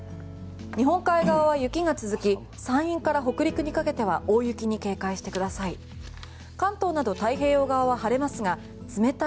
日本海側は雪が続き山陰から北陸にかけては大雪に警戒してください。